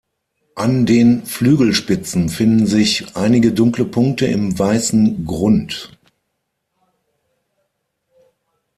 An den Flügelspitzen finden sich einige dunkle Punkte im weißen Grund.